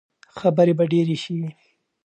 خبرې به ډېرې شي.